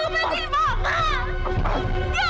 kamu lepasin bapak